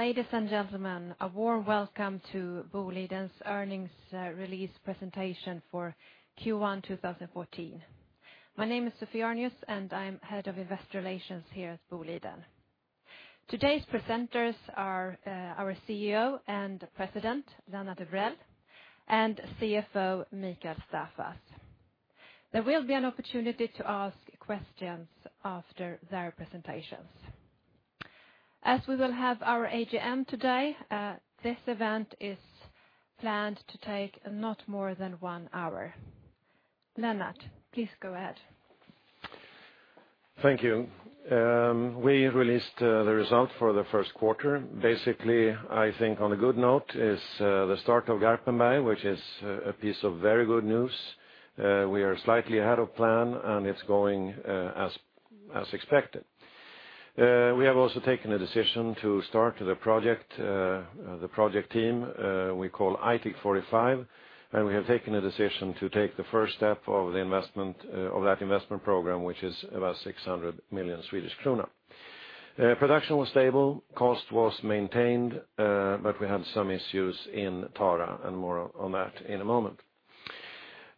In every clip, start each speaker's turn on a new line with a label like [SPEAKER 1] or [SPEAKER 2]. [SPEAKER 1] Ladies and gentlemen, a warm welcome to Boliden's earnings release presentation for Q1 2014. My name is Sophie Arnius, and I'm Head of Investor Relations here at Boliden. Today's presenters are our CEO and President, Lennart Evrell, and CFO, Mikael Staffas. There will be an opportunity to ask questions after their presentations. As we will have our AGM today, this event is planned to take not more than one hour. Lennart, please go ahead.
[SPEAKER 2] Thank you. We released the result for the first quarter. I think on a good note is the start of Garpenberg, which is a piece of very good news. We are slightly ahead of plan, and it's going as expected. We have also taken a decision to start the project team we call Aitik 45, and we have taken a decision to take the first step of that investment program, which is about 600 million Swedish krona. Production was stable, cost was maintained, but we had some issues in Tara, and more on that in a moment.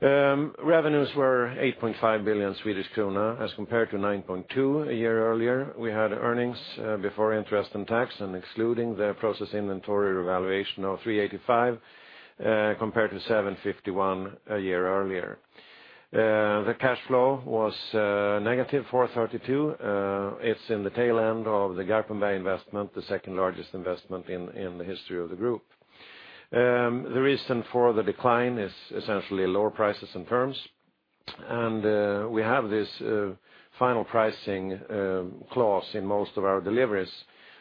[SPEAKER 2] Revenues were 8.5 billion Swedish krona as compared to 9.2 billion a year earlier. We had earnings before interest and tax and excluding the process inventory revaluation of 385 million, compared to 751 million a year earlier. The cash flow was negative 432 million. It's in the tail end of the Garpenberg investment, the second largest investment in the history of the group. The reason for the decline is essentially lower prices and terms. We have this final pricing clause in most of our deliveries,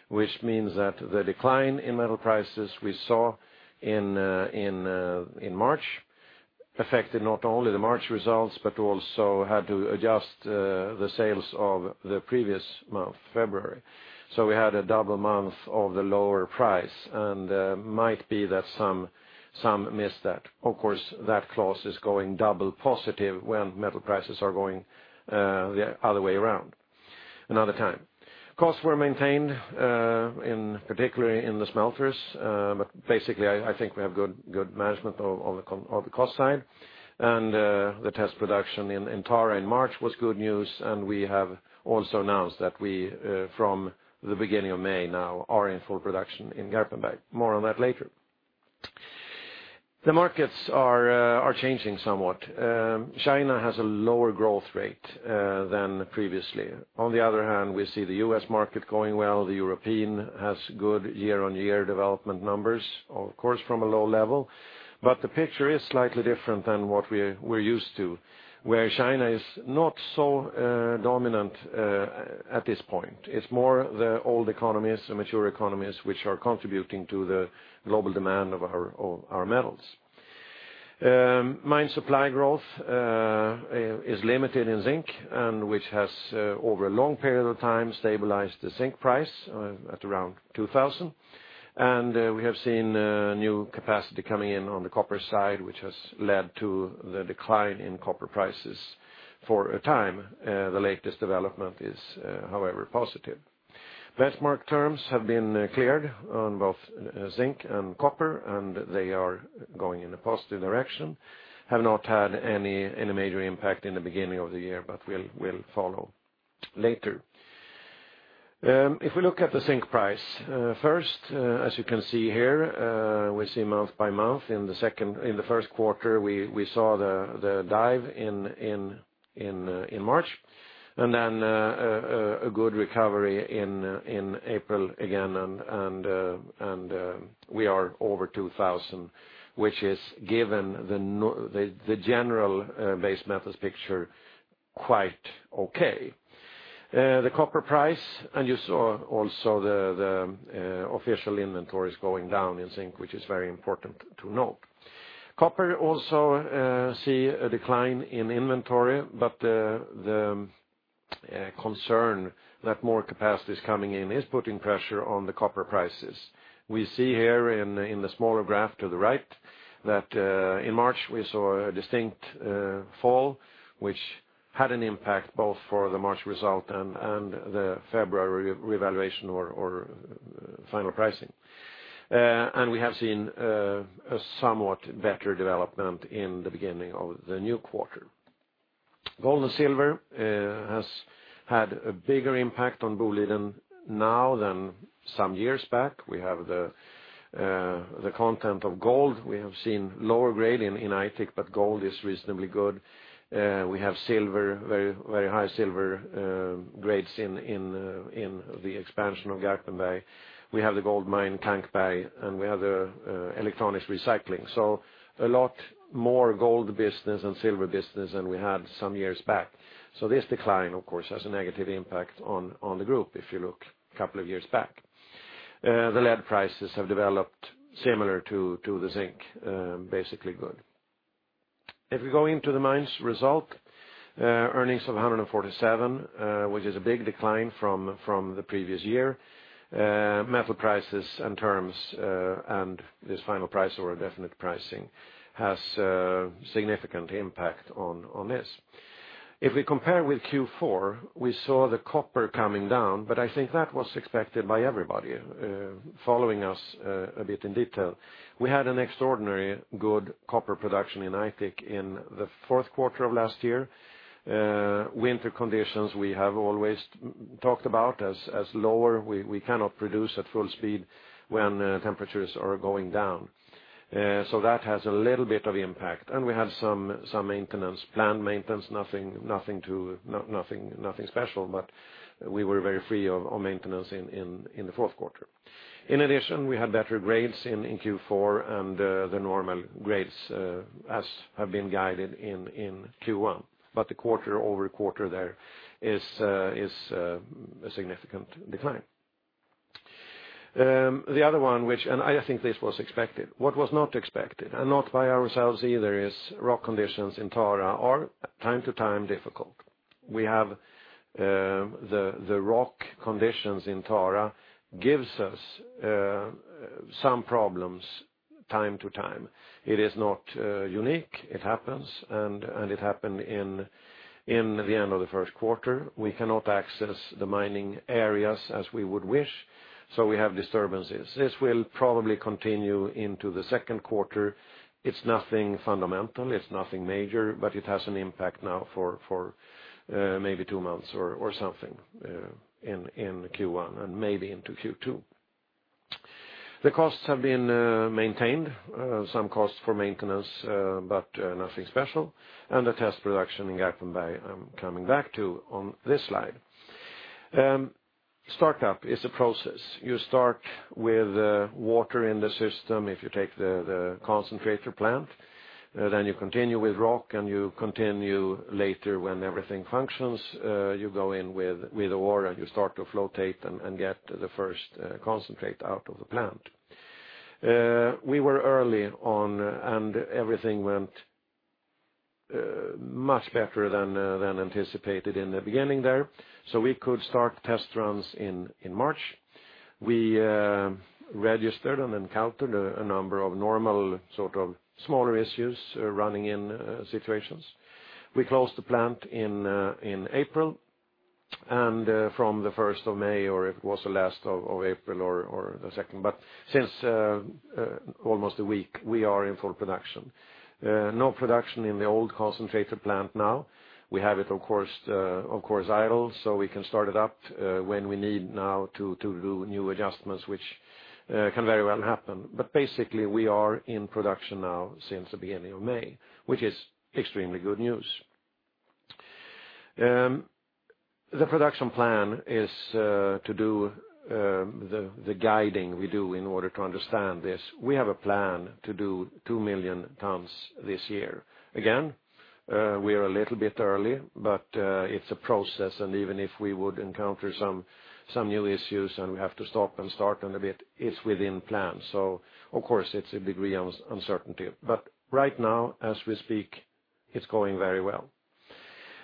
[SPEAKER 2] which means that the decline in metal prices we saw in March affected not only the March results but also had to adjust the sales of the previous month, February. We had a double month of the lower price, and might be that some missed that. Of course, that clause is going double positive when metal prices are going the other way around another time. Costs were maintained, particularly in the smelters. But basically, I think we have good management of the cost side. The test production in Tara in March was good news, and we have also announced that we, from the beginning of May now, are in full production in Garpenberg. More on that later. The markets are changing somewhat. China has a lower growth rate than previously. On the other hand, we see the U.S. market going well. The European has good year-on-year development numbers, of course, from a low level. But the picture is slightly different than what we're used to, where China is not so dominant at this point. It's more the old economies, the mature economies, which are contributing to the global demand of our metals. Mine supply growth is limited in zinc, which has over a long period of time stabilized the zinc price at around 2,000. We have seen new capacity coming in on the copper side, which has led to the decline in copper prices for a time. The latest development is, however, positive. Benchmark terms have been cleared on both zinc and copper. They are going in a positive direction. They have not had any major impact in the beginning of the year, but we'll follow later. We look at the zinc price first, as you can see here, we see month by month. In the first quarter, we saw the dive in March. Then a good recovery in April again. We are over 2,000, which is, given the general base metals picture, quite okay. The copper price, and you saw also the official inventories going down in zinc, which is very important to note. Copper also sees a decline in inventory, but the concern that more capacity is coming in is putting pressure on the copper prices. We see here in the smaller graph to the right that in March we saw a distinct fall, which had an impact both for the March result and the February revaluation or final pricing. We have seen a somewhat better development in the beginning of the new quarter. Gold and silver have had a bigger impact on Boliden now than some years back. We have the content of gold. We have seen lower grade in Aitik, but gold is reasonably good. We have silver, very high silver grades in the expansion of Garpenberg. We have the gold mine, Kankberg, and we have the electronics recycling. A lot more gold business and silver business than we had some years back. This decline, of course, has a negative impact on the group if you look a couple of years back. The lead prices have developed similar to the zinc, basically good. We go into the mines result, earnings of 147, which is a big decline from the previous year. Metal prices and terms and this final price or definite pricing has significant impact on this. We compare with Q4, we saw the copper coming down, but I think that was expected by everybody following us a bit in detail. We had an extraordinarily good copper production in Aitik in the fourth quarter of last year. Winter conditions, we have always talked about as lower. We cannot produce at full speed when temperatures are going down. That has a little bit of impact. We had some maintenance, planned maintenance, nothing special, but we were very free of maintenance in the fourth quarter. In addition, we had better grades in Q4 and the normal grades as have been guided in Q1. The quarter-over-quarter there is a significant decline. The other one, I think this was expected. What was not expected, and not by ourselves either, is rock conditions in Tara are time to time difficult. The rock conditions in Tara gives us some problems time to time. It is not unique. It happens, and it happened in the end of the first quarter. We cannot access the mining areas as we would wish, so we have disturbances. This will probably continue into the second quarter. It is nothing fundamental. It is nothing major, but it has an impact now for maybe two months or something in Q1 and maybe into Q2. The costs have been maintained, some costs for maintenance, but nothing special. The test production in Garpenberg I'm coming back to on this slide. Startup is a process. You start with water in the system, if you take the concentrator plant, you continue with rock and you continue later when everything functions, you go in with water and you start to floatate and get the first concentrate out of the plant. We were early on, and everything went much better than anticipated in the beginning there. We could start test runs in March. We registered and encountered a number of normal sort of smaller issues running in situations. We closed the plant in April, and from the 1st of May, or if it was the last of April or the 2nd, but since almost a week, we are in full production. No production in the old concentrator plant now. We have it, of course, idle, we can start it up, when we need now to do new adjustments, which can very well happen. Basically, we are in production now since the beginning of May, which is extremely good news. The production plan is to do the guiding we do in order to understand this. We have a plan to do 2 million tonnes this year. Again, we are a little bit early, but it's a process, and even if we would encounter some new issues and we have to stop and start a little bit, it's within plan. Of course, it's a degree of uncertainty. Right now, as we speak, it's going very well.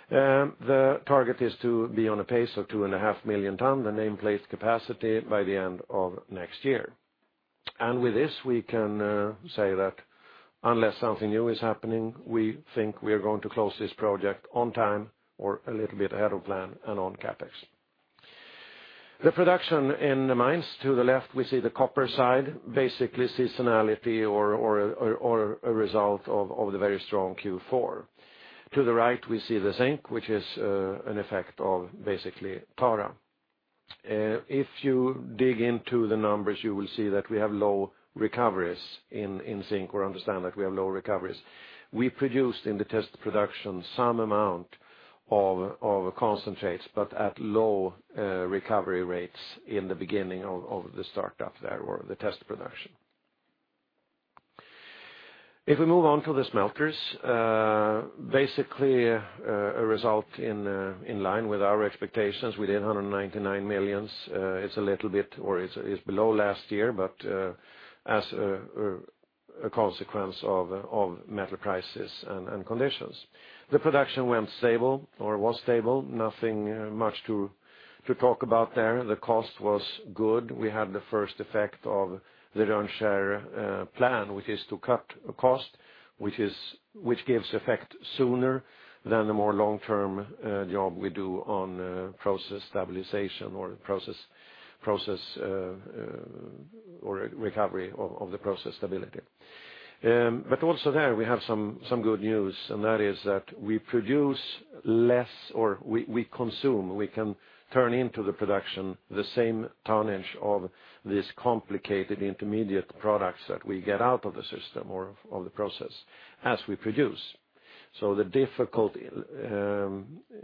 [SPEAKER 2] The target is to be on a pace of 2.5 million tonnes, the name plate capacity by the end of next year. With this, we can say that unless something new is happening, we think we are going to close this project on time or a little bit ahead of plan and on CapEx. The production in the mines, to the left, we see the copper side, basically seasonality or a result of the very strong Q4. To the right, we see the zinc, which is an effect of basically Tara. If you dig into the numbers, you will see that we have low recoveries in zinc or understand that we have low recoveries. We produced in the test production some amount of concentrates, but at low recovery rates in the beginning of the startup there or the test production. If we move on to the smelters, basically a result in line with our expectations within 199 million. It's a little bit or it's below last year, but as a consequence of metal prices and conditions. The production went stable or was stable. Nothing much to talk about there. The cost was good. We had the first effect of the Rönnskär plan, which is to cut cost, which gives effect sooner than the more long-term job we do on process stabilization or recovery of the process stability. Also there, we have some good news, and that is that we produce less or we consume, we can turn into the production the same tonnage of this complicated intermediate products that we get out of the system or of the process as we produce. The difficult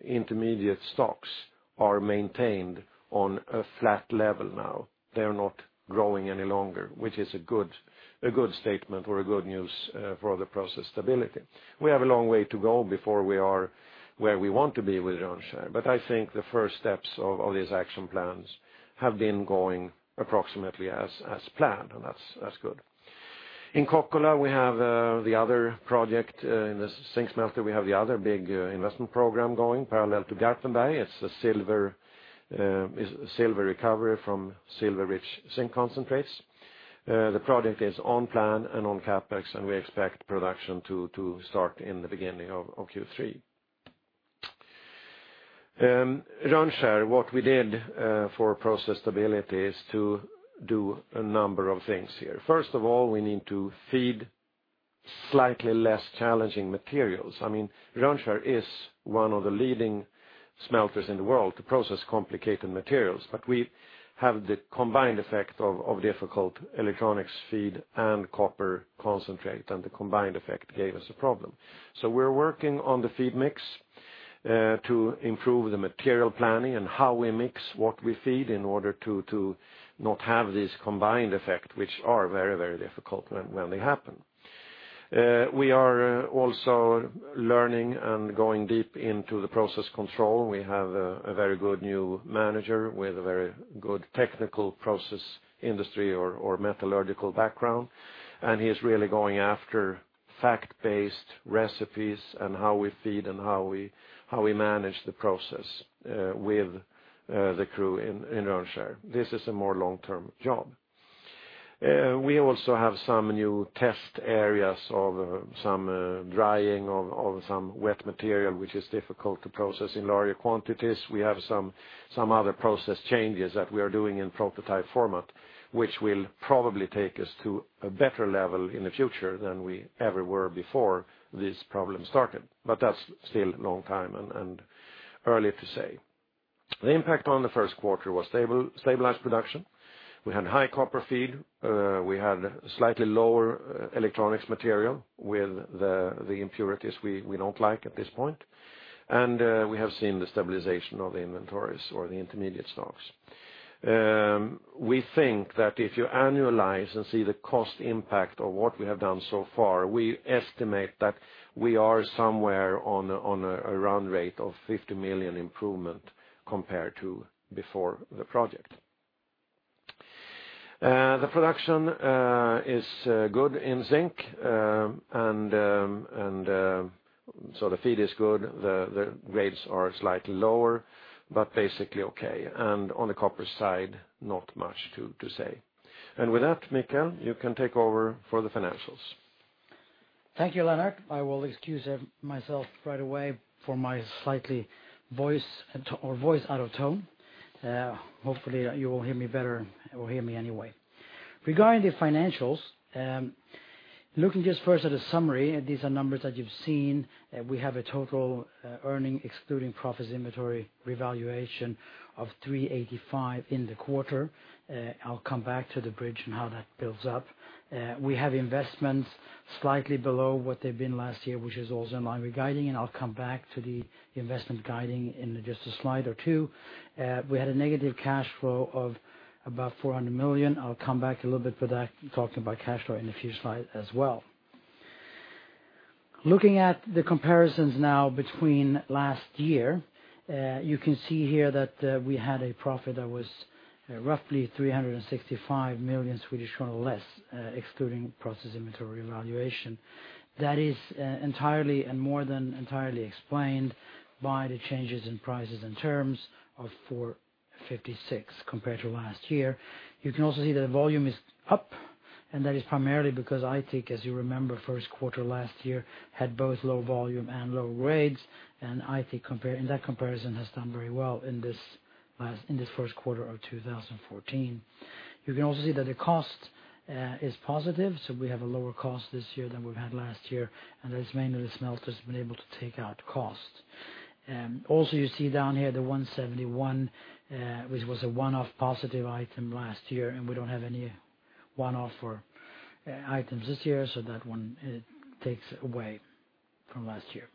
[SPEAKER 2] intermediate stocks are maintained on a flat level now. They're not growing any longer, which is a good statement or a good news for the process stability. We have a long way to go before we are where we want to be with Rönnskär. I think the first steps of these action plans have been going approximately as planned. That's good. In Kokkola, we have the other project in the zinc smelter. We have the other big investment program going parallel to Garpenberg. It's a silver recovery from silver-rich zinc concentrates. The project is on plan and on CapEx. We expect production to start in the beginning of Q3. Rönnskär, what we did for process stability is to do a number of things here. First of all, we need to feed slightly less challenging materials. Rönnskär is one of the leading smelters in the world to process complicated materials. We have the combined effect of difficult electronics feed and copper concentrate. The combined effect gave us a problem. We're working on the feed mix to improve the material planning and how we mix what we feed in order to not have this combined effect, which are very difficult when they happen. We are also learning and going deep into the process control. We have a very good new manager with a very good technical process industry or metallurgical background. He's really going after fact-based recipes and how we feed and how we manage the process with the crew in Rönnskär. This is a more long-term job. We also have some new test areas of some drying of some wet material, which is difficult to process in larger quantities. We have some other process changes that we are doing in prototype format, which will probably take us to a better level in the future than we ever were before this problem started. That's still a long time and early to say. The impact on the first quarter was stabilized production. We had high copper feed. We had slightly lower electronics material with the impurities we don't like at this point. We have seen the stabilization of the inventories or the intermediate stocks. We think that if you annualize and see the cost impact of what we have done so far, we estimate that we are somewhere on a run rate of 50 million improvement compared to before the project. The production is good in zinc. The feed is good. The rates are slightly lower. Basically okay. On the copper side, not much to say. With that, Mikael, you can take over for the financials.
[SPEAKER 3] Thank you, Lennart. I will excuse myself right away for my slightly voice or voice out of tone. Hopefully, you will hear me better or hear me anyway. Regarding the financials, looking just first at a summary, these are numbers that you've seen. We have a total earning excluding process inventory revaluation of 385 million in the quarter. I'll come back to the bridge and how that builds up. We have investments slightly below what they've been last year, which is also in line regarding, I'll come back to the investment guiding in just a slide or two. We had a negative cash flow of about 400 million. I'll come back a little bit for that, talking about cash flow in a few slides as well. Looking at the comparisons now between last year, you can see here that we had a profit that was roughly 365 million Swedish kronor less, excluding process inventory valuation. That is entirely and more than entirely explained by the changes in prices and terms of 456 million compared to last year. You can also see that the volume is up, that is primarily because Aitik, as you remember, first quarter last year, had both low volume and low rates, Aitik in that comparison has done very well in this Q1 2014. You can also see that the cost is positive, we have a lower cost this year than we've had last year, that is mainly the smelter's been able to take out cost. Also you see down here the 171 million, which was a one-off positive item last year, we don't have any one-off items this year, that one takes away from last year.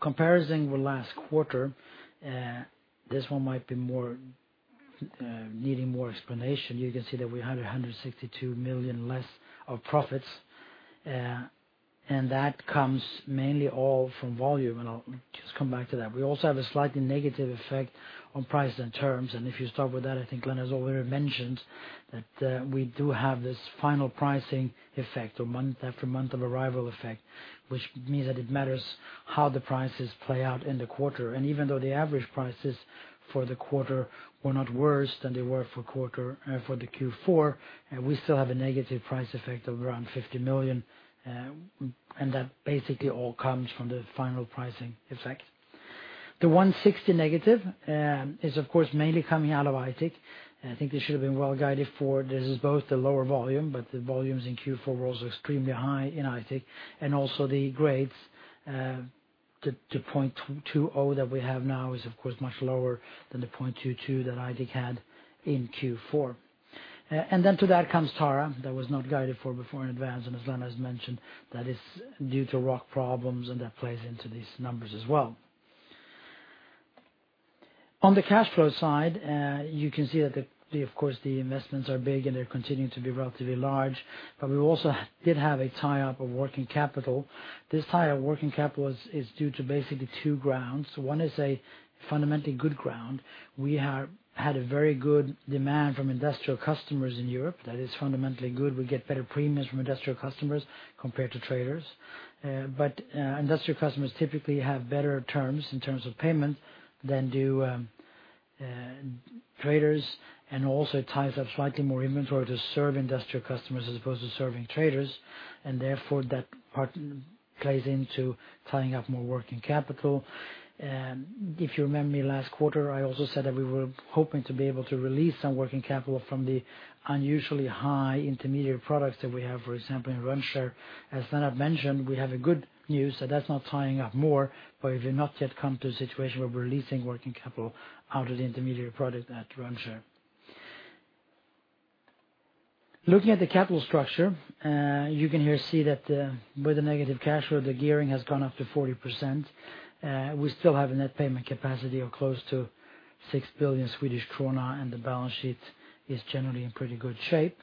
[SPEAKER 3] Comparison with last quarter, this one might be needing more explanation. You can see that we had 162 million less of profits, that comes mainly all from volume, I'll just come back to that. We also have a slightly negative effect on prices and terms, if you start with that, I think Lennart's already mentioned that we do have this final pricing effect or month after month of arrival effect, which means that it matters how the prices play out in the quarter. Even though the average prices for the quarter were not worse than they were for the Q4, we still have a negative price effect of around 50 million, that basically all comes from the final pricing effect. The 160 million negative is of course, mainly coming out of Aitik. I think this should have been well guided for. This is both the lower volume, the volumes in Q4 were also extremely high in Aitik, also the grades to 0.20 that we have now is of course much lower than the 0.22 that Aitik had in Q4. To that comes Tara, that was not guided for before in advance, as Lennart has mentioned, that is due to rock problems that plays into these numbers as well. On the cash flow side, you can see that of course the investments are big, they're continuing to be relatively large, we also did have a tie-up of working capital. This tie-up working capital is due to basically two grounds. One is a fundamentally good ground. We had a very good demand from industrial customers in Europe that is fundamentally good. We get better premiums from industrial customers compared to traders. Industrial customers typically have better terms in terms of payment than do traders, and also ties up slightly more inventory to serve industrial customers as opposed to serving traders. Therefore, that part plays into tying up more working capital. If you remember me last quarter, I also said that we were hoping to be able to release some working capital from the unusually high intermediary products that we have, for example, in Rönnskär. As Lennart mentioned, we have a good news that that's not tying up more, we've not yet come to a situation where we're releasing working capital out of the intermediary product at Rönnskär. Looking at the capital structure, you can here see that with the negative cash flow, the gearing has gone up to 40%. We still have a net payment capacity of close to 6 billion Swedish krona, the balance sheet is generally in pretty good shape.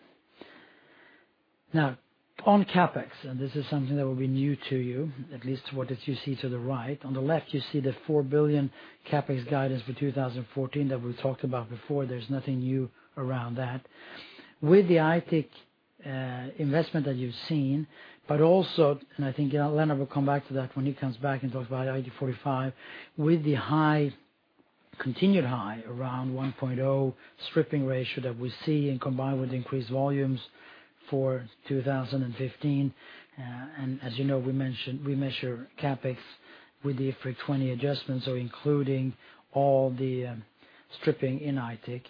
[SPEAKER 3] Now, on CapEx, this is something that will be new to you, at least what you see to the right. On the left, you see the 4 billion CapEx guidance for 2014 that we've talked about before. There's nothing new around that. With the Aitik investment that you've seen, also, I think Lennart will come back to that when he comes back and talks about Aitik 45, with the continued high around 1.0 stripping ratio that we see combined with increased volumes for 2015. As you know, we measure CapEx with the IFRIC 20 adjustments. Including all the stripping in Aitik,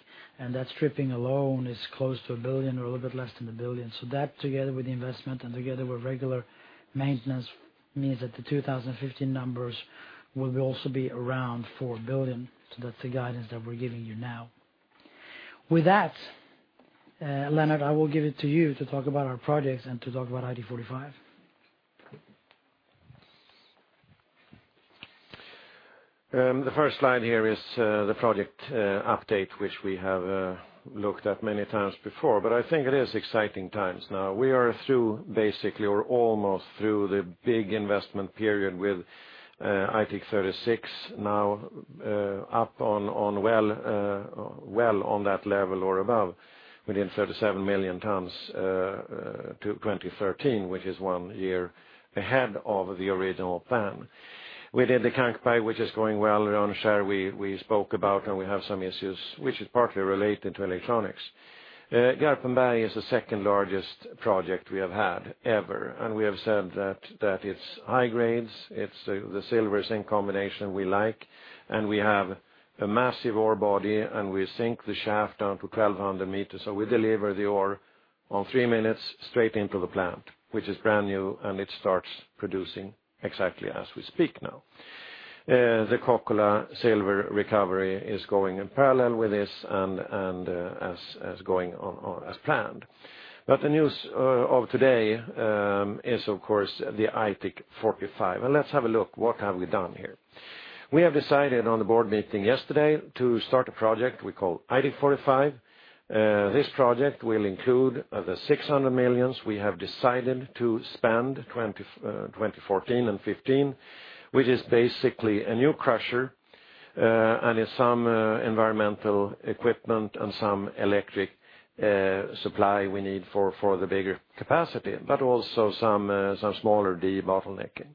[SPEAKER 3] that stripping alone is close to a billion or a little bit less than a billion. That together with the investment and together with regular maintenance means that the 2015 numbers will also be around 4 billion. That's the guidance that we're giving you now. With that, Lennart, I will give it to you to talk about our projects and to talk about Aitik 45.
[SPEAKER 2] The first slide here is the project update, which we have looked at many times before, I think it is exciting times now. We are through basically or almost through the big investment period with Aitik 36 now up well on that level or above within 37 million tons to 2013, which is one year ahead of the original plan. Within the Kankberg, which is going well. Rönnskär we spoke about, we have some issues, which is partly related to electronics. Garpenberg is the second-largest project we have had ever. We have said that it's high grades. It's the silver-zinc combination we like. We have a massive ore body, we sink the shaft down to 1,200 meters. We deliver the ore on three minutes straight into the plant, which is brand new, it starts producing exactly as we speak now. The Kokkola silver recovery is going in parallel with this and is going as planned. The news of today is of course the Aitik 45. Let's have a look. What have we done here? We have decided on the board meeting yesterday to start a project we call Aitik 45. This project will include the 600 million we have decided to spend 2014 and 2015, which is basically a new crusher, and is some environmental equipment and some electric supply we need for the bigger capacity, but also some smaller debottlenecking.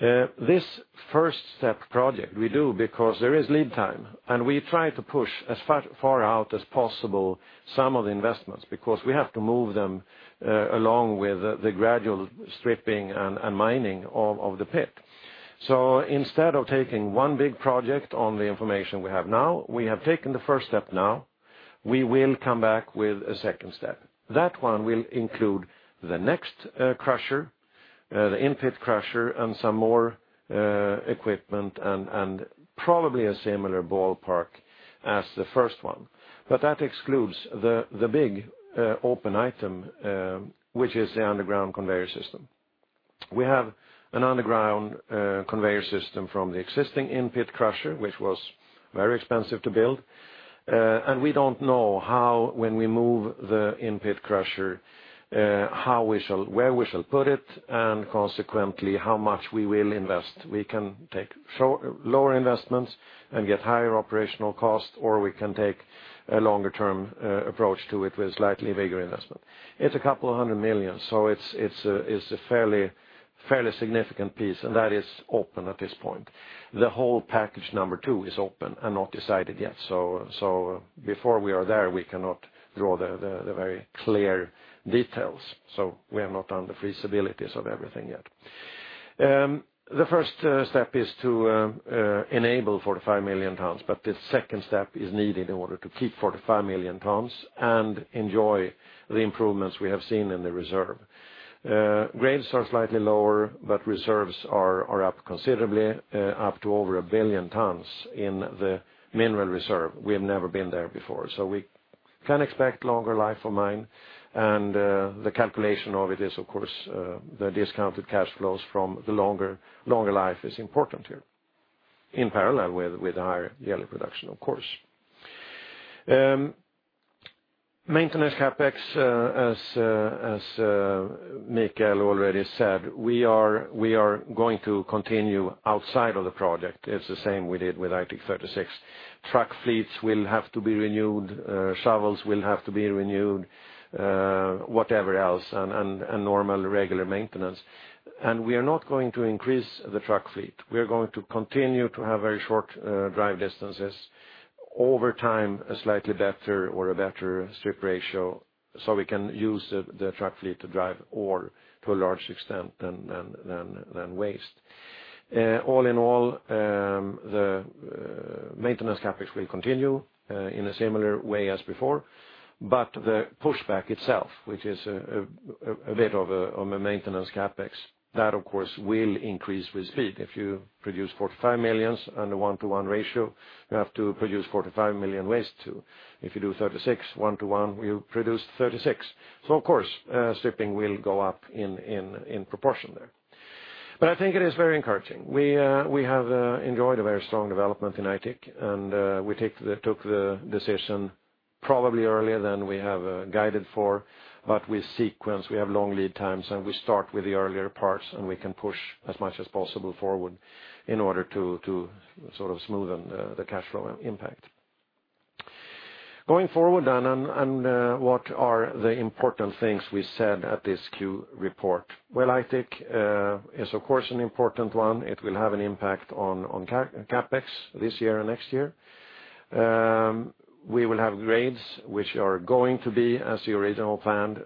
[SPEAKER 2] This first step project we do because there is lead time, and we try to push as far out as possible some of the investments, because we have to move them along with the gradual stripping and mining of the pit. Instead of taking one big project on the information we have now, we have taken the first step now. We will come back with a second step. That one will include the next crusher, the in-pit crusher, and some more equipment and probably a similar ballpark as the first one. That excludes the big open item, which is the underground conveyor system. We have an underground conveyor system from the existing in-pit crusher, which was very expensive to build. We don't know how when we move the in-pit crusher where we shall put it, and consequently, how much we will invest. We can take lower investments and get higher operational costs, or we can take a longer-term approach to it with slightly bigger investment. It's a couple of hundred million SEK, so it's a fairly significant piece, and that is open at this point. The whole package number 2 is open and not decided yet. Before we are there, we cannot draw the very clear details. We have not done the feasibilities of everything yet. The first step is to enable 45 million tons, but the second step is needed in order to keep 45 million tons and enjoy the improvements we have seen in the reserve. Grades are slightly lower, but reserves are up considerably up to over 1 billion tons in the mineral reserve. We have never been there before. We can expect longer life of mine, and the calculation of it is, of course, the discounted cash flows from the longer life is important here in parallel with the higher yearly production, of course. Maintenance CapEx, as Mikael already said, we are going to continue outside of the project. It's the same we did with Aitik 36. Truck fleets will have to be renewed, shovels will have to be renewed, whatever else, and normal regular maintenance. We are not going to increase the truck fleet. Over time, a slightly better or a better strip ratio so we can use the truck fleet to drive ore to a large extent than waste. All in all, the maintenance CapEx will continue in a similar way as before, the pushback itself, which is a bit of a maintenance CapEx, that of course will increase with speed. If you produce 45 millions on a 1-to-1 ratio, you have to produce 45 million waste too. If you do 36 1 to 1, you produce 36. Of course, stripping will go up in proportion there. I think it is very encouraging. We have enjoyed a very strong development in Aitik, we took the decision probably earlier than we have guided for. We sequence, we have long lead times, and we start with the earlier parts, and we can push as much as possible forward in order to sort of smoothen the cash flow impact. What are the important things we said at this Q report? Well, Aitik is of course an important one. It will have an impact on CapEx this year and next year. We will have grades which are going to be as the original plan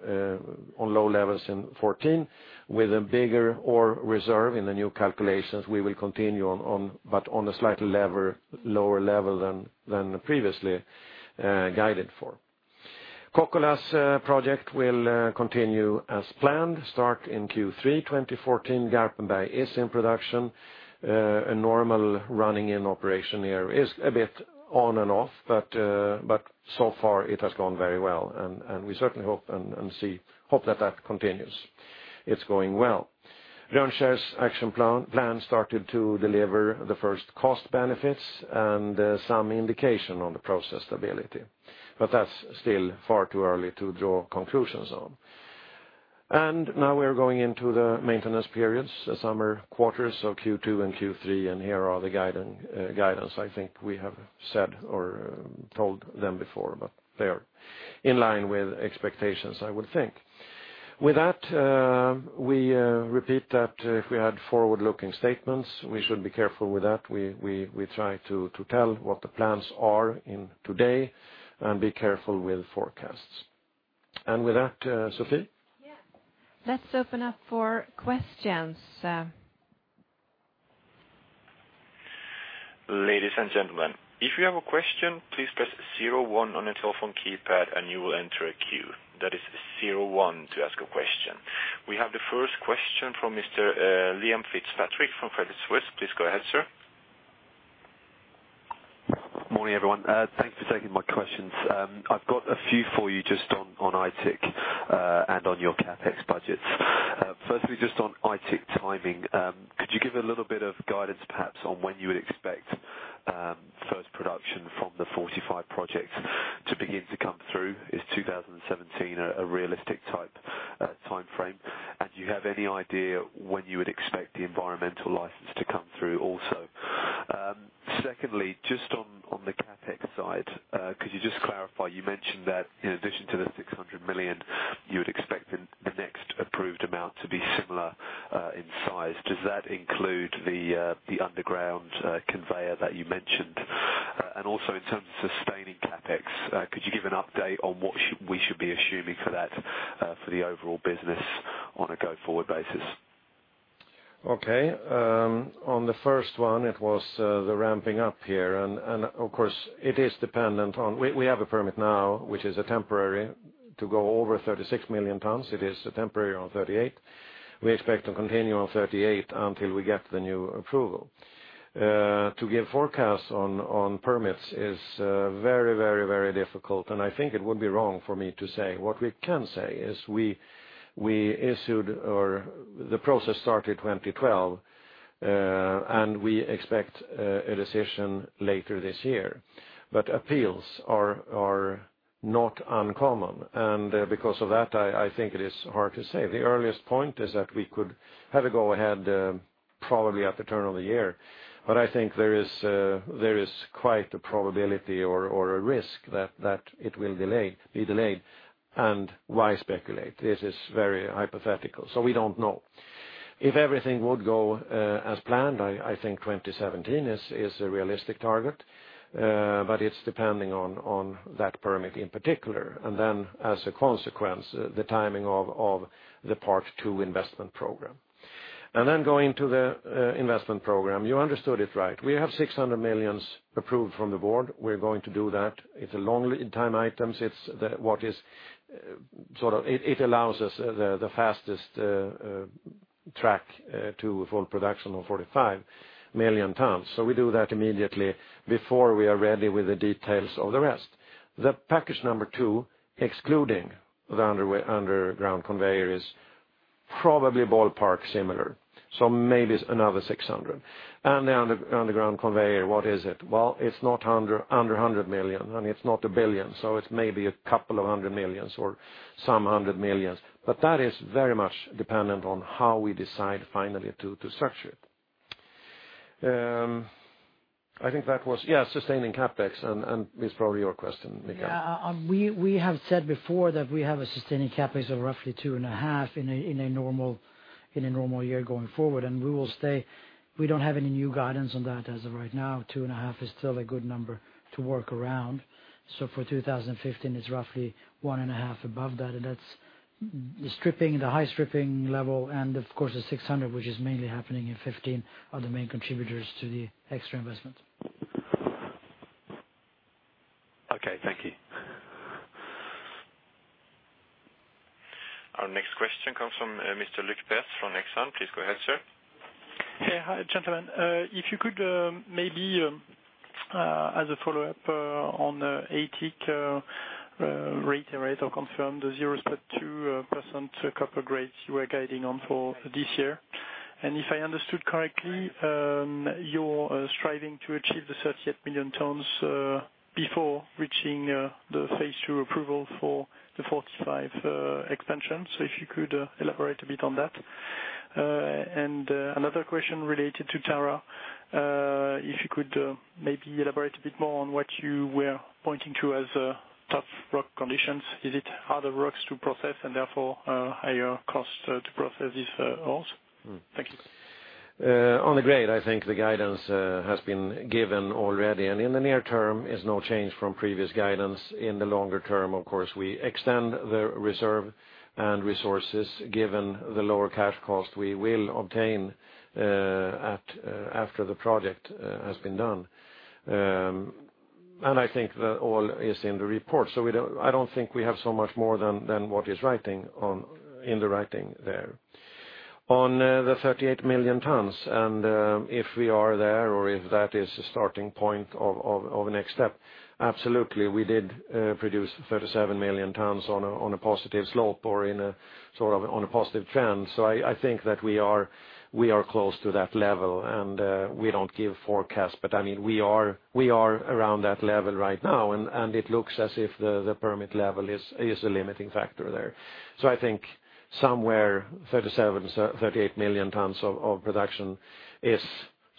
[SPEAKER 2] on low levels in 2014 with a bigger ore reserve in the new calculations we will continue on, but on a slightly lower level than previously guided for. Kokkola's project will continue as planned, start in Q3 2014. Garpenberg is in production. A normal running in operation here is a bit on and off, so far it has gone very well and we certainly hope that continues. It's going well. Rönnskär's action plan started to deliver the first cost benefits and some indication on the process stability. That's still far too early to draw conclusions on. Now we are going into the maintenance periods, the summer quarters, so Q2 and Q3, here are the guidance I think we have said or told them before, but they are in line with expectations, I would think. With that, we repeat that if we had forward-looking statements, we should be careful with that. We try to tell what the plans are in today and be careful with forecasts. With that, Sophie?
[SPEAKER 1] Yeah. Let's open up for questions.
[SPEAKER 4] Ladies and gentlemen, if you have a question, please press zero one on your telephone keypad and you will enter a queue. That is zero one to ask a question. We have the first question from Mr. Liam Fitzpatrick from Credit Suisse. Please go ahead, sir.
[SPEAKER 5] Morning, everyone. Thanks for taking my questions. I've got a few for you just on Aitik, and on your CapEx budgets. Firstly, just on Aitik timing, could you give a little bit of guidance perhaps on when you would expect first production from the 45 project to begin to come through? Is 2017 a realistic type timeframe? Do you have any idea when you would expect the environmental license to come through also? Secondly, just on the CapEx side, could you just clarify, you mentioned that in addition to the 600 million, you would expect the next approved amount to be similar in size. Does that include the underground conveyor that you mentioned? Also in terms of sustaining CapEx, could you give an update on what we should be assuming for that for the overall business on a go-forward basis?
[SPEAKER 2] Okay. On the first one, it was the ramping up here. We have a permit now, which is a temporary to go over 36 million tons. It is temporary on 38. We expect to continue on 38 until we get the new approval. To give forecasts on permits is very difficult. I think it would be wrong for me to say. What we can say is the process started 2012. We expect a decision later this year. Appeals are not uncommon. Because of that, I think it is hard to say. The earliest point is that we could have a go-ahead probably at the turn of the year. I think there is quite a probability or a risk that it will be delayed. Why speculate? This is very hypothetical, so we don't know. If everything would go as planned, I think 2017 is a realistic target. It's depending on that permit in particular. As a consequence, the timing of the part two investment program. Going to the investment program, you understood it right. We have 600 million approved from the board. We're going to do that. It's a long lead-time item. It allows us the fastest track to full production of 45 million tons. We do that immediately before we are ready with the details of the rest. The package number two, excluding the underground conveyor, is probably ballpark similar. Maybe it's another 600 million. The underground conveyor, what is it? Well, it's not under 100 million, it's not 1 billion, so it's maybe a couple of hundred millions or some hundred millions. That is very much dependent on how we decide finally to structure it. Yeah, sustaining CapEx, it's probably your question, Mikael.
[SPEAKER 3] Yeah. We have said before that we have a sustaining CapEx of roughly two and a half in a normal year going forward, and we will stay. We don't have any new guidance on that as of right now. Two and a half is still a good number to work around. For 2015, it's roughly one and a half above that, and that's the stripping, the high stripping level, and of course the 600 million, which is mainly happening in 2015 are the main contributors to the extra investment.
[SPEAKER 5] Okay. Thank you.
[SPEAKER 4] Our next question comes from Mr. Luke Perlot from Exane. Please go ahead, sir.
[SPEAKER 6] Hey. Hi, gentlemen. If you could maybe as a follow-up on Aitik rate or confirm the 0.2% copper grade you were guiding on for this year. If I understood correctly, you're striving to achieve the 38 million tons before reaching the phase 2 approval for the Aitik 45 expansion. If you could elaborate a bit on that. Another question related to Tara, if you could maybe elaborate a bit more on what you were pointing to as tough rock conditions. Is it harder rocks to process and therefore higher cost to process these ores? Thank you.
[SPEAKER 2] In the near term is no change from previous guidance. In the longer term, of course, we extend the reserve and resources given the lower cash cost we will obtain after the project has been done. I think that all is in the report. I don't think we have so much more than what is in the writing there. On the 38 million tons, if we are there or if that is a starting point of a next step, absolutely. We did produce 37 million tons on a positive slope or in a sort of on a positive trend. I think that we are close to that level, and we don't give forecast. We are around that level right now, and it looks as if the permit level is a limiting factor there. I think somewhere 37 to 38 million tons of production is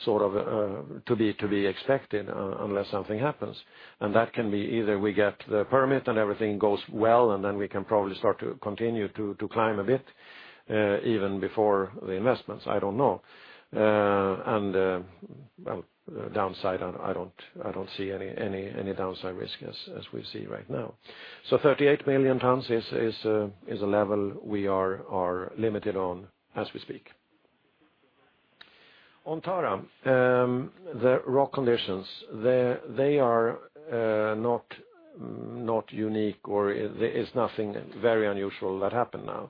[SPEAKER 2] sort of to be expected unless something happens. That can be either we get the permit and everything goes well, and then we can probably start to continue to climb a bit, even before the investments, I don't know. Downside, I don't see any downside risk as we see right now. 38 million tons is a level we are limited on as we speak. On Tara, the rock conditions, they are not unique, or there is nothing very unusual that happened now.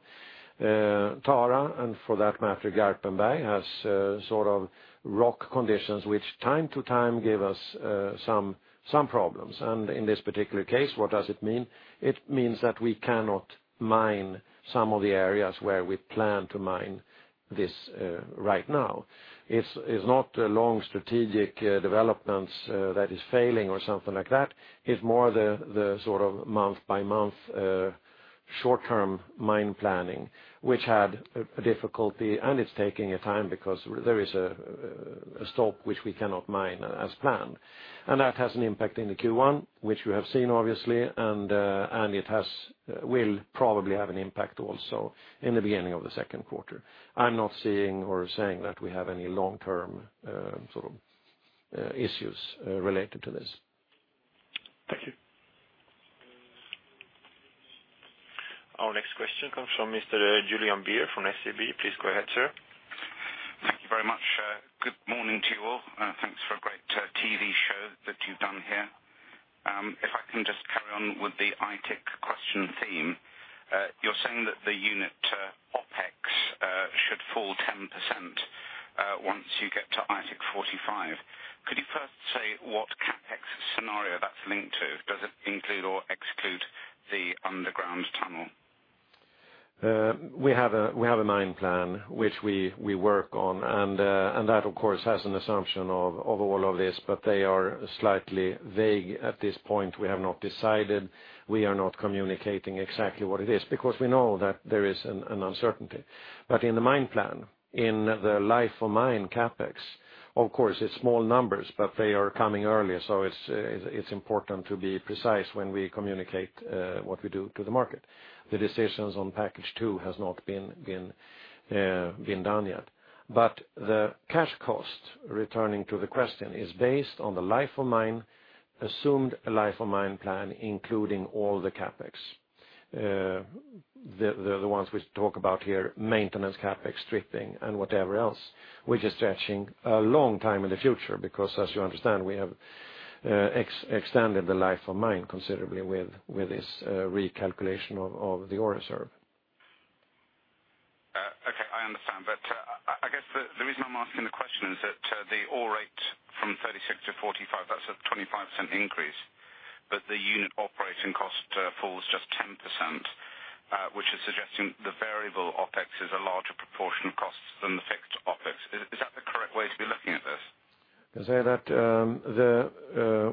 [SPEAKER 2] Tara, and for that matter, Garpenberg, has sort of rock conditions which time to time give us some problems. In this particular case, what does it mean? It means that we cannot mine some of the areas where we plan to mine this right now. It's not a long strategic developments that is failing or something like that. It's more the sort of month by month short-term mine planning, which had a difficulty, and it's taking a time because there is a stop, which we cannot mine as planned. That has an impact in the Q1, which we have seen, obviously, and it will probably have an impact also in the beginning of the second quarter. I'm not seeing or saying that we have any long-term sort of issues related to this.
[SPEAKER 6] Thank you.
[SPEAKER 4] Our next question comes from Mr. Julian Beer from SEB. Please go ahead, sir.
[SPEAKER 7] Thank you very much. Good morning to you all. Thanks for a great TV show that you've done here. If I can just carry on with the Aitik question theme. You're saying that the unit OPEX should fall 10% once you get to Aitik 45. Could you first say what CapEx scenario that's linked to? Does it include or exclude the underground tunnel?
[SPEAKER 2] We have a mine plan which we work on, that of course, has an assumption of all of this, but they are slightly vague at this point. We have not decided. We are not communicating exactly what it is because we know that there is an uncertainty. In the mine plan, in the life of mine CapEx, of course, it's small numbers, but they are coming earlier, so it's important to be precise when we communicate what we do to the market. The decisions on package 2 has not been done yet. The cash cost, returning to the question, is based on the life of mine, assumed life of mine plan, including all the CapEx. The ones we talk about here, maintenance, CapEx, stripping, and whatever else, which is stretching a long time in the future because as you understand, we have extended the life of mine considerably with this recalculation of the ore reserve.
[SPEAKER 7] I understand. I guess the reason I'm asking the question is that the ore rate from 36 to 45, that's a 25% increase, but the unit operating cost falls just 10%, which is suggesting the variable OPEX is a larger proportion of costs than the fixed OPEX. Is that the correct way to be looking at this?
[SPEAKER 2] Can say that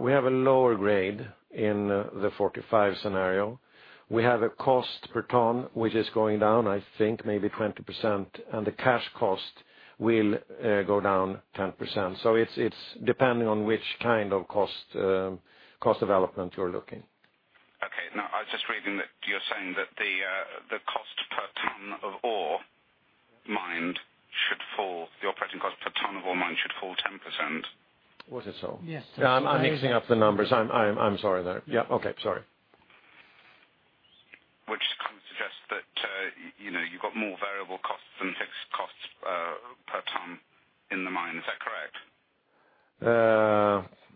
[SPEAKER 2] we have a lower grade in the 45 scenario. We have a cost per ton, which is going down, I think maybe 20%, and the cash cost will go down 10%. It's depending on which kind of cost development you're looking.
[SPEAKER 7] No, I was just reading that you're saying the operating cost per ton of ore mined should fall 10%.
[SPEAKER 2] Was it so?
[SPEAKER 3] Yes.
[SPEAKER 2] I'm mixing up the numbers. I'm sorry there. Yeah. Okay. Sorry.
[SPEAKER 7] Which kind of suggests that you've got more variable costs than fixed costs per ton in the mine. Is that correct?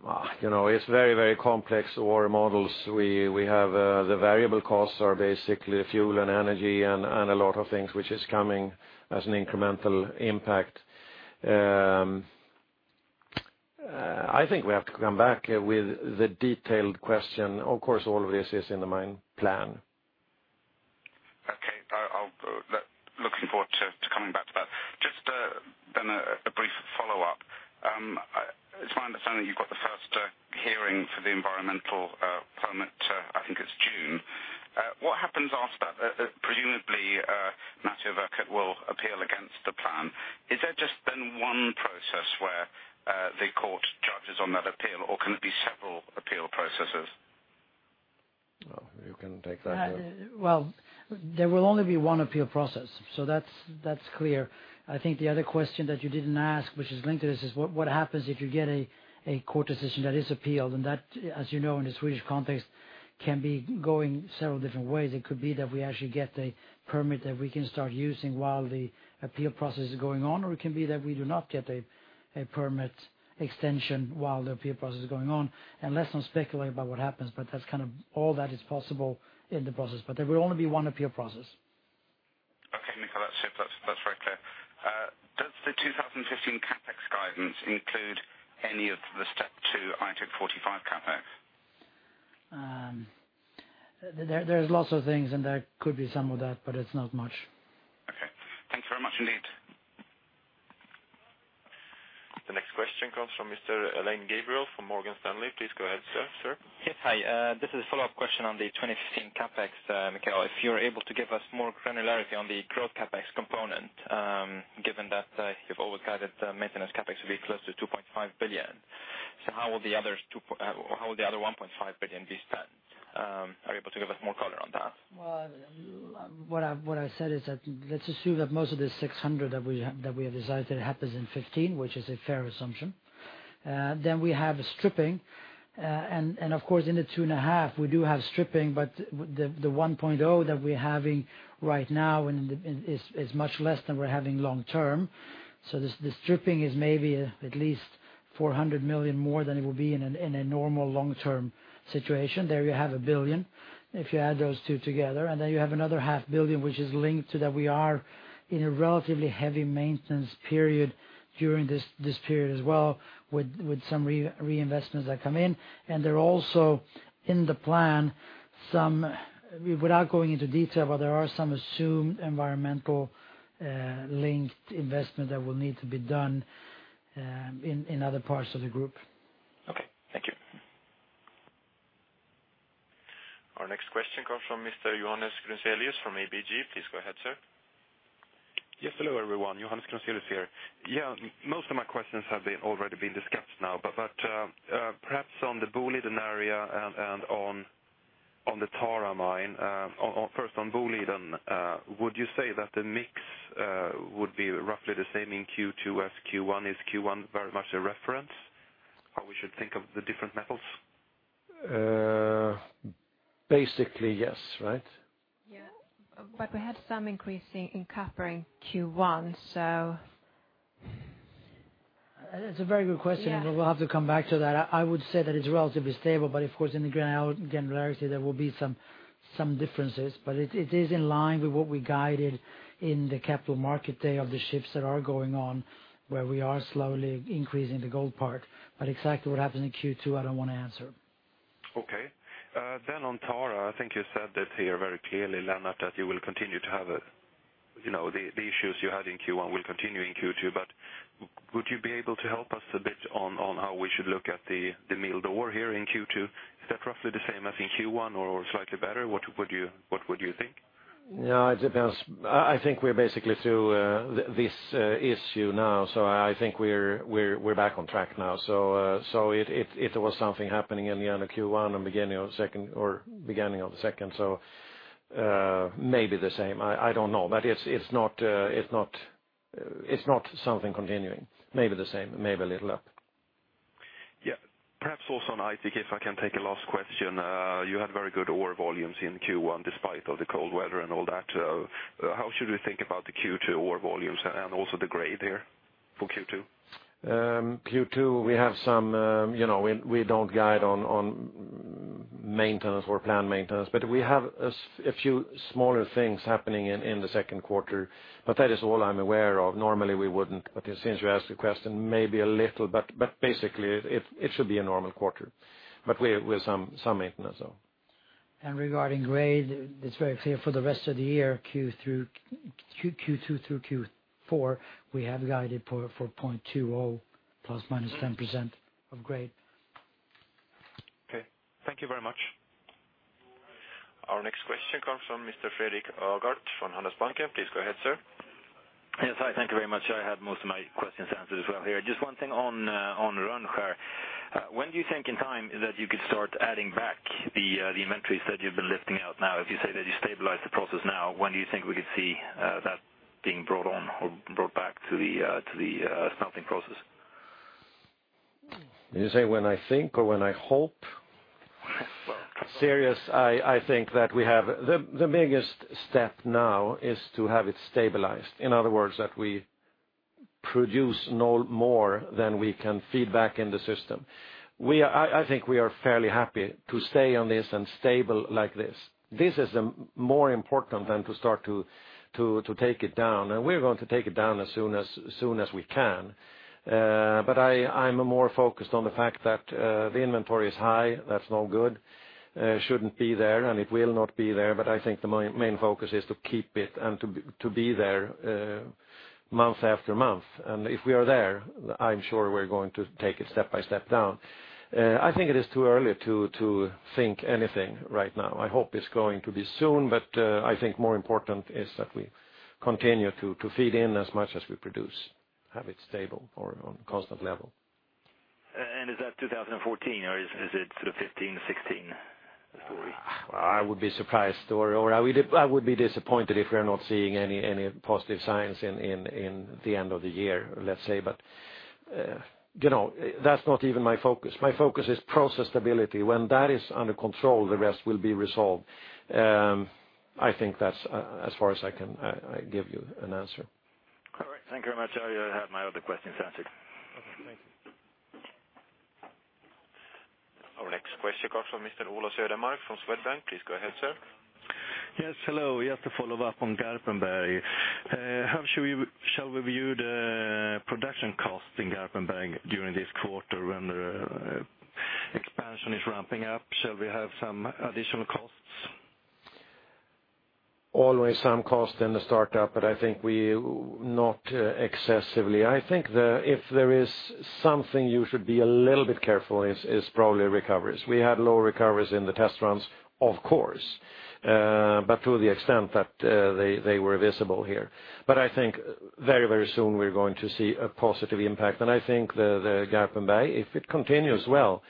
[SPEAKER 2] It's very complex ore models. We have the variable costs are basically fuel and energy and a lot of things which is coming as an incremental impact. I think we have to come back with the detailed question. Of course, all of this is in the mine plan.
[SPEAKER 7] Okay. Looking forward to coming back to that. Just then a brief follow-up. It's my understanding you've got the first hearing for the environmental permit, I think it's June. What happens after that? Presumably, Natural [Resources Canada] will appeal against the plan. Is that just then one process where the court judges on that appeal, or can it be several appeal processes?
[SPEAKER 2] You can take that.
[SPEAKER 3] Well, there will only be one appeal process. That's clear. I think the other question that you didn't ask, which is linked to this, is what happens if you get a court decision that is appealed, and that, as you know, in the Swedish context, can be going several different ways. It could be that we actually get a permit that we can start using while the appeal process is going on, or it can be that we do not get a permit extension while the appeal process is going on. Let's not speculate about what happens, but that's kind of all that is possible in the process. There will only be one appeal process.
[SPEAKER 7] Okay, Mikael, that's it. That's very clear. Does the 2015 CapEx guidance include any of the step 2 Aitik 45 CapEx?
[SPEAKER 3] There's lots of things, and there could be some of that, but it's not much.
[SPEAKER 7] Okay. Thank you very much indeed.
[SPEAKER 4] The next question comes from Mr. Alain Gabriel from Morgan Stanley. Please go ahead, sir.
[SPEAKER 8] Yes. Hi. This is a follow-up question on the 2015 CapEx, Mikael. If you're able to give us more granularity on the growth CapEx component, given that you've always guided the maintenance CapEx to be close to 2.5 billion. How will the other 1.5 billion be spent? Are you able to give us more color on that?
[SPEAKER 3] Well, what I said is that let's assume that most of the 600 that we have decided happens in 2015, which is a fair assumption. We have stripping, and of course, in the two and a half, we do have stripping, but the 1.0 that we're having right now is much less than we're having long-term. The stripping is maybe at least 400 million more than it will be in a normal long-term situation. There you have 1 billion, if you add those two together, and then you have another SEK half billion, which is linked to that we are in a relatively heavy maintenance period during this period as well, with some reinvestments that come in, and they're also in the plan. Without going into detail, there are some assumed environmental linked investment that will need to be done in other parts of the group.
[SPEAKER 8] Okay. Thank you.
[SPEAKER 4] Our next question comes from Mr. Johannes Grunselius from ABG. Please go ahead, sir.
[SPEAKER 9] Yes, hello, everyone. Johannes Grunselius here. Yeah, most of my questions have already been discussed now, but perhaps on the Boliden area and on the Tara mine. First on Boliden, would you say that the mix would be roughly the same in Q2 as Q1? Is Q1 very much a reference? How we should think of the different metals?
[SPEAKER 2] Basically, yes. Right?
[SPEAKER 1] We had some increase in copper in Q1.
[SPEAKER 3] That's a very good question, and we'll have to come back to that. I would say that it's relatively stable, but of course, in the granularity, there will be some differences. It is in line with what we guided in the Capital Market Day of the shifts that are going on, where we are slowly increasing the gold part. Exactly what happens in Q2, I don't want to answer.
[SPEAKER 9] On Tara, I think you said that here very clearly, Lennart, that you will continue to have the issues you had in Q1 will continue in Q2. Would you be able to help us a bit on how we should look at the mill door here in Q2? Is that roughly the same as in Q1 or slightly better? What would you think?
[SPEAKER 2] It depends. I think we're basically through this issue now, so I think we're back on track now. It was something happening in the end of Q1 and beginning of the second. Maybe the same, I don't know. It's not something continuing. Maybe the same, maybe a little up.
[SPEAKER 9] Yeah. Perhaps also on Aitik, if I can take a last question. You had very good ore volumes in Q1, despite of the cold weather and all that. How should we think about the Q2 ore volumes and also the grade there for Q2?
[SPEAKER 2] Q2, we have. We don't guide on maintenance or planned maintenance, we have a few smaller things happening in the second quarter, that is all I'm aware of. Normally we wouldn't, since you asked the question, maybe a little, basically, it should be a normal quarter, with some maintenance.
[SPEAKER 3] Regarding grade, it's very clear for the rest of the year, Q2 through Q4, we have guided for 0.20 ±10% of grade.
[SPEAKER 9] Okay. Thank you very much.
[SPEAKER 4] Our next question comes from Mr. FredrikAgardh, from Handelsbanken. Please go ahead, sir.
[SPEAKER 10] Yes, hi. Thank you very much. I have most of my questions answered as well here. Just one thing on Rönnskär. When do you think in time that you could start adding back the inventories that you've been lifting out now? If you say that you stabilize the process now, when do you think we could see that being brought on or brought back to the smelting process?
[SPEAKER 2] Did you say when I think or when I hope? Serious, I think that the biggest step now is to have it stabilized. In other words, that we produce no more than we can feed back in the system. I think we are fairly happy to stay on this and stable like this. This is more important than to start to take it down, and we're going to take it down as soon as we can. I'm more focused on the fact that the inventory is high. That's no good. It shouldn't be there, and it will not be there, but I think the main focus is to keep it and to be there month after month. If we are there, I'm sure we're going to take it step by step down. I think it is too early to think anything right now. I hope it's going to be soon, I think more important is that we continue to feed in as much as we produce, have it stable or on constant level.
[SPEAKER 10] Is that 2014 or is it sort of 2015, 2016 story?
[SPEAKER 2] I would be surprised or I would be disappointed if we're not seeing any positive signs in the end of the year, let's say. That's not even my focus. My focus is process stability. When that is under control, the rest will be resolved. I think that's as far as I can give you an answer.
[SPEAKER 10] All right. Thank you very much. I have my other questions answered.
[SPEAKER 2] Okay, thank you.
[SPEAKER 4] Our next question comes from Mr. Ola Södermark from Swedbank. Please go ahead, sir.
[SPEAKER 11] Yes, hello. Just to follow up on Garpenberg. How shall we view the production cost in Garpenberg during this quarter when the expansion is ramping up? Shall we have some additional costs?
[SPEAKER 2] Always some cost in the startup, but I think not excessively. I think if there is something you should be a little bit careful is probably recoveries. We had low recoveries in the test runs, of course, but to the extent that they were visible here. I think very soon we're going to see a positive impact. I think the Garpenberg, if it continues well,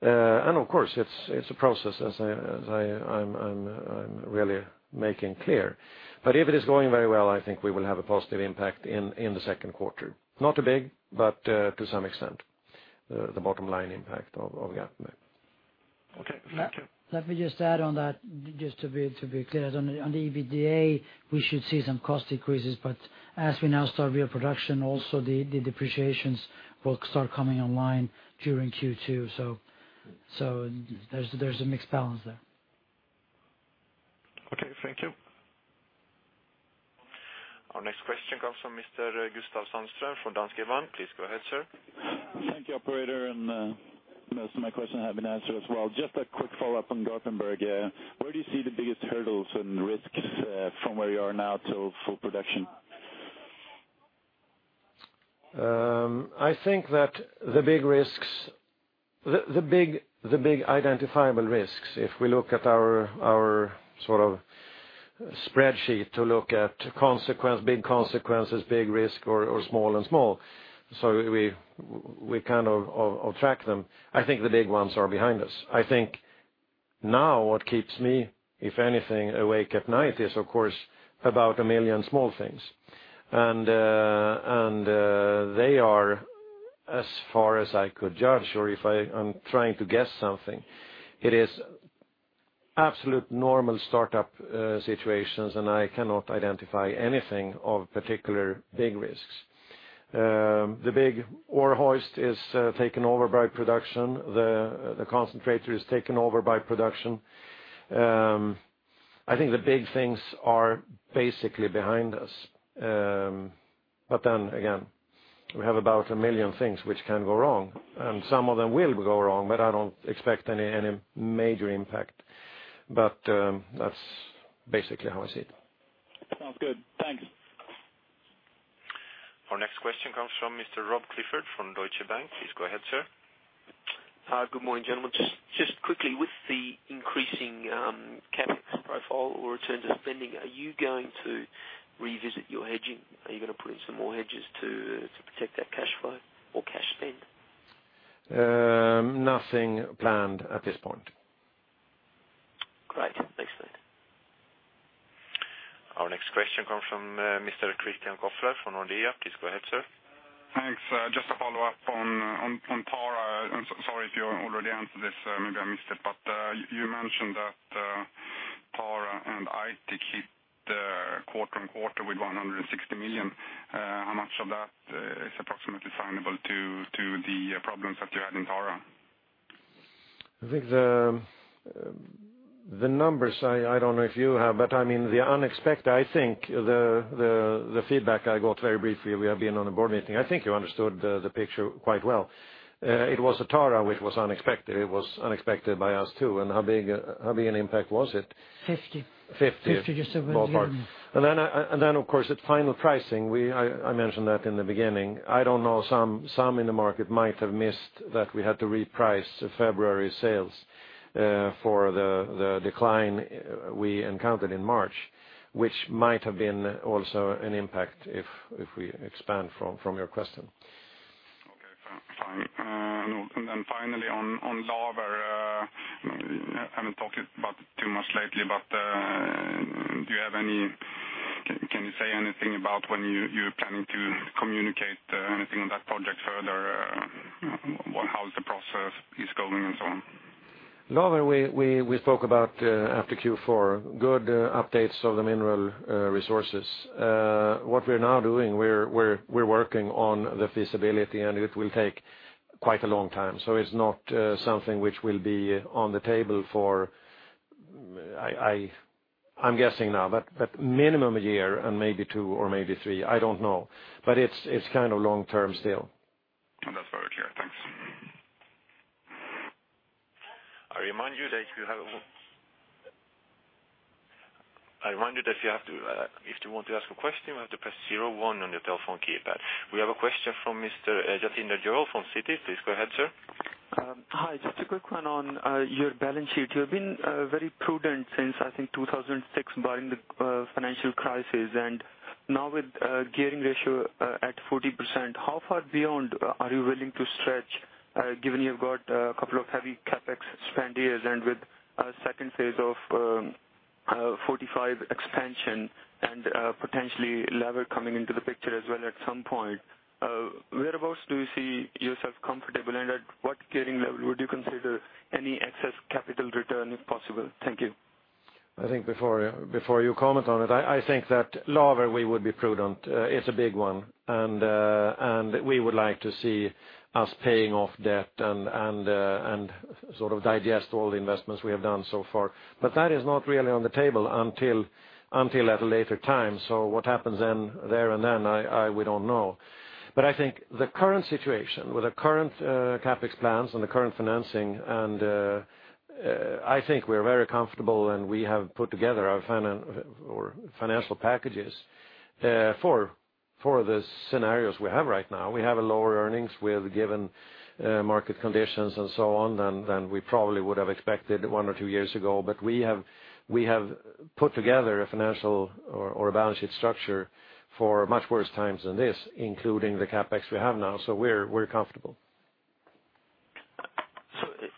[SPEAKER 2] and of course it's a process as I'm really making clear. If it is going very well, I think we will have a positive impact in the second quarter. Not too big, but to some extent, the bottom line impact of Garpenberg.
[SPEAKER 11] Okay. Thank you.
[SPEAKER 3] Let me just add on that just to be clear. On the EBITDA, we should see some cost decreases. As we now start real production also, the depreciations will start coming online during Q2. There's a mixed balance there.
[SPEAKER 11] Okay, thank you.
[SPEAKER 4] Our next question comes from Mr. Gustaf Sjöström from Danske Bank. Please go ahead, sir.
[SPEAKER 12] Thank you, operator. Most of my question have been answered as well. Just a quick follow-up on Garpenberg. Where do you see the biggest hurdles and risks from where you are now till full production?
[SPEAKER 2] I think that the big identifiable risks, if we look at our spreadsheet to look at big consequences, big risk or small and small. We kind of track them. I think the big ones are behind us. I think now what keeps me, if anything, awake at night is of course about a million small things. They are, as far as I could judge or if I'm trying to guess something, it is absolute normal startup situations, and I cannot identify anything of particular big risks. The big ore hoist is taken over by production. The concentrator is taken over by production. I think the big things are basically behind us. We have about a million things which can go wrong, and some of them will go wrong, but I don't expect any major impact. That's basically how I see it.
[SPEAKER 12] Sounds good. Thanks.
[SPEAKER 4] Our next question comes from Mr. Rob Clifford from Deutsche Bank. Please go ahead, sir.
[SPEAKER 13] Good morning, gentlemen. Just quickly, with the increasing CapEx profile or returns of spending, are you going to revisit your hedging? Are you going to put in some more hedges to protect that cash flow or cash spend?
[SPEAKER 2] Nothing planned at this point.
[SPEAKER 13] Great. Thanks, mate.
[SPEAKER 4] Our next question comes from Mr. Christian Kopfer from Nordea. Please go ahead, sir.
[SPEAKER 14] Thanks. Just to follow up on Tara, I'm sorry if you already answered this, maybe I missed it, but you mentioned that Tara and Aitik hit quarter-on-quarter with 160 million. How much of that is approximately assignable to the problems that you had in Tara?
[SPEAKER 2] I think the numbers, I don't know if you have, but I think the feedback I got very briefly, we have been on a board meeting. I think you understood the picture quite well. It was at Tara, which was unexpected. It was unexpected by us, too. How big an impact was it?
[SPEAKER 3] 50.
[SPEAKER 2] 50.
[SPEAKER 3] 50, just over SEK 50 million.
[SPEAKER 2] Then, of course, at final pricing, I mentioned that in the beginning. I don't know, some in the market might have missed that we had to reprice February sales for the decline we encountered in March, which might have been also an impact if we expand from your question.
[SPEAKER 14] Okay, fine. Finally on Laver, I haven't talked about it too much lately. Can you say anything about when you're planning to communicate anything on that project further? How is the process going, and so on?
[SPEAKER 2] Laver, we spoke about after Q4, good updates of the mineral resources. What we're now doing, we're working on the feasibility, and it will take quite a long time. It's not something which will be on the table for, I'm guessing now, minimum a year and maybe two or maybe three, I don't know. It's long-term still.
[SPEAKER 14] That's very clear. Thanks.
[SPEAKER 4] I remind you that if you want to ask a question, you have to press 01 on your telephone keypad. We have a question from Mr. Jatinder Jandu from Citi. Please go ahead, sir.
[SPEAKER 15] Hi. Just a quick one on your balance sheet. You have been very prudent since, I think 2006, barring the financial crisis. Now with gearing ratio at 40%, how far beyond are you willing to stretch, given you've got a couple of heavy CapEx spend years and with a second phase of 45 expansion and potentially Laver coming into the picture as well at some point. Whereabouts do you see yourself comfortable, and at what gearing level would you consider any excess capital return if possible? Thank you.
[SPEAKER 2] I think before you comment on it, I think that Laver, we would be prudent. It's a big one. We would like to see us paying off debt and sort of digest all the investments we have done so far. That is not really on the table until at a later time. What happens there and then, we don't know. I think the current situation with the current CapEx plans and the current financing, and I think we're very comfortable and we have put together our financial packages for the scenarios we have right now. We have lower earnings with given market conditions and so on than we probably would have expected one or two years ago. We have put together a financial or a balance sheet structure for much worse times than this, including the CapEx we have now. We're comfortable.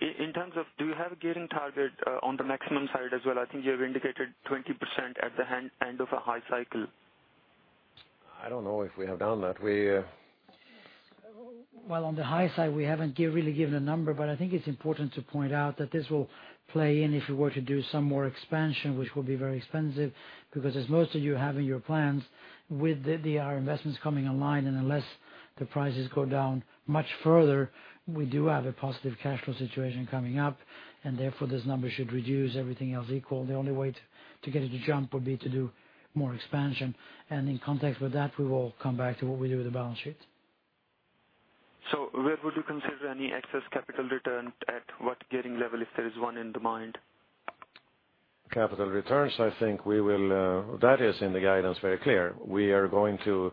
[SPEAKER 15] In terms of do you have a gearing target on the maximum side as well? I think you have indicated 20% at the end of a high cycle.
[SPEAKER 2] I don't know if we have done that.
[SPEAKER 3] Well, on the high side, we haven't really given a number. I think it's important to point out that this will play in if we were to do some more expansion, which will be very expensive, because as most of you have in your plans with our investments coming online. Unless the prices go down much further, we do have a positive cash flow situation coming up. Therefore, this number should reduce everything else equal. The only way to get it to jump would be to do more expansion. In context with that, we will come back to what we do with the balance sheet.
[SPEAKER 15] Where would you consider any excess capital return, at what gearing level, if there is one in the mind?
[SPEAKER 2] Capital returns, I think that is in the guidance very clear. We are going to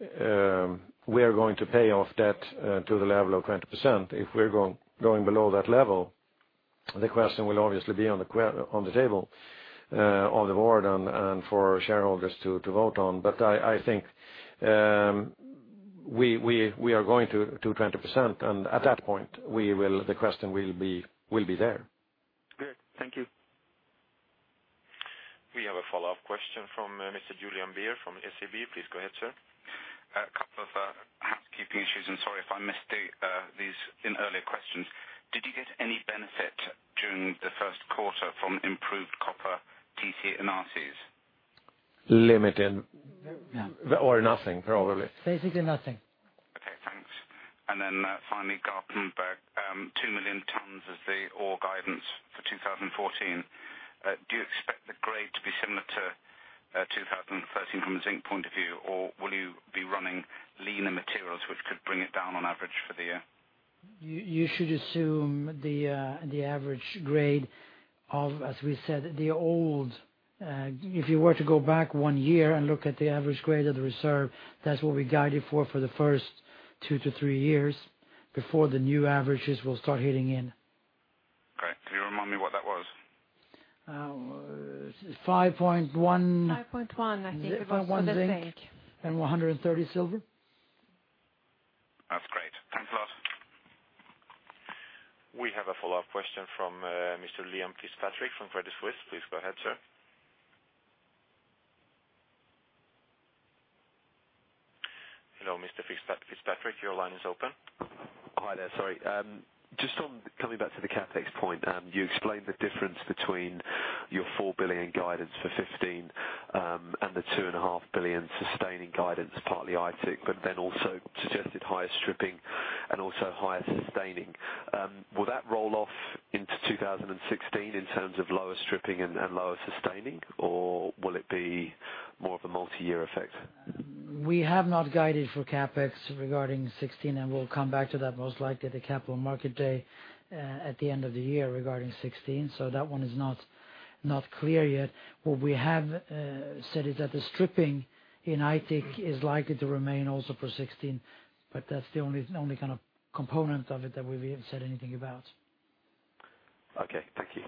[SPEAKER 2] pay off debt to the level of 20%. If we're going below that level, the question will obviously be on the table on the board and for shareholders to vote on. I think we are going to do 20%, and at that point, the question will be there.
[SPEAKER 15] Great. Thank you.
[SPEAKER 4] We have a follow-up question from Mr. Julian Beer from SEB. Please go ahead, sir.
[SPEAKER 7] A couple of housekeeping issues, and sorry if I missed these in earlier questions. Did you get any benefit during the first quarter from improved copper TC and RC?
[SPEAKER 2] Limited.
[SPEAKER 3] Yeah.
[SPEAKER 2] Nothing, probably.
[SPEAKER 3] Basically nothing.
[SPEAKER 7] Okay, thanks. Finally, Garpenberg, 2 million tonnes is the ore guidance for 2014. Do you expect the grade to be similar to 2013 from a zinc point of view, or will you be running leaner materials which could bring it down on average for the year?
[SPEAKER 3] You should assume the average grade of, as we said, the old. If you were to go back one year and look at the average grade of the reserve, that's what we guided for the first two to three years before the new averages will start hitting in.
[SPEAKER 7] Great. Can you remind me what that was?
[SPEAKER 3] 5.1-
[SPEAKER 16] 5.1, I think it was for the zinc.
[SPEAKER 3] 5.1 zinc and 130 silver.
[SPEAKER 7] That's great. Thanks a lot.
[SPEAKER 4] We have a follow-up question from Mr. Liam Fitzpatrick from Credit Suisse. Please go ahead, sir. Hello, Mr. Fitzpatrick. Your line is open.
[SPEAKER 5] Hi there, sorry. Just on coming back to the CapEx point. You explained the difference between your 4 billion guidance for 2015, and the 2.5 billion sustaining guidance, partly Aitik, but then also suggested higher stripping and also higher sustaining. Will that roll off into 2016 in terms of lower stripping and lower sustaining, or will it be more of a multi-year effect?
[SPEAKER 3] We have not guided for CapEx regarding 2016. We'll come back to that most likely at the capital market day at the end of the year regarding 2016. That one is not clear yet. What we have said is that the stripping in Aitik is likely to remain also for 2016. That's the only component of it that we have said anything about.
[SPEAKER 5] Okay. Thank you.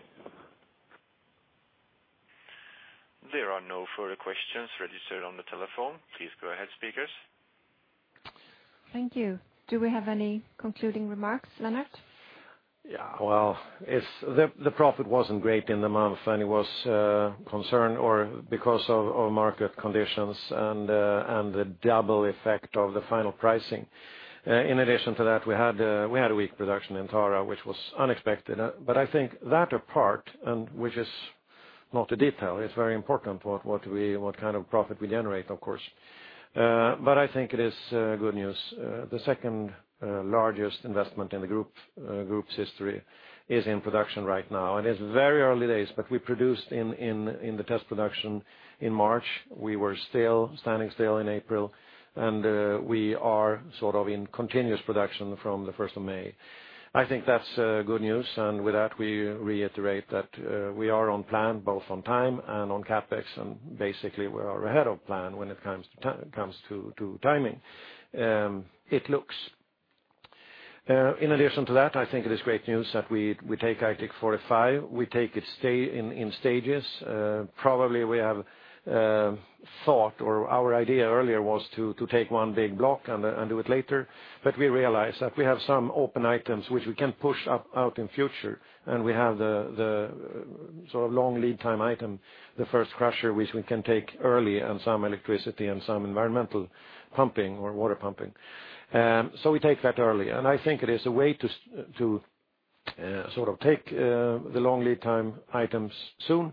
[SPEAKER 4] There are no further questions registered on the telephone. Please go ahead, speakers.
[SPEAKER 1] Thank you. Do we have any concluding remarks, Lennart?
[SPEAKER 2] Well, the profit wasn't great in the month, and it was concerned because of market conditions and the double effect of the final pricing. In addition to that, we had a weak production in Tara, which was unexpected. I think that apart, and which is not a detail, it is very important what kind of profit we generate, of course. I think it is good news. The second-largest investment in the group's history is in production right now, and it is very early days, but we produced in the test production in March. We were standing still in April, and we are in continuous production from the 1st of May. I think that is good news, and with that, we reiterate that we are on plan, both on time and on CapEx, and basically, we are ahead of plan when it comes to timing. It looks. In addition to that, I think it is great news that we take Aitik 45. We take it in stages. Probably we have thought, or our idea earlier was to take one big block and do it later. We realized that we have some open items which we can push out in future, and we have the long lead time item, the first crusher, which we can take early, and some electricity and some environmental pumping or water pumping. We take that early. I think it is a way to take the long lead time items soon and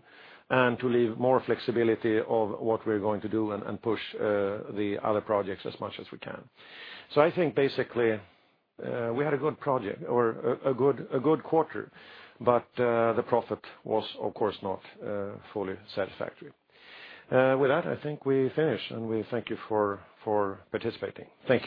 [SPEAKER 2] to leave more flexibility of what we are going to do and push the other projects as much as we can. I think basically, we had a good project or a good quarter, the profit was, of course, not fully satisfactory. With that, I think we finish, and we thank you for participating. Thank you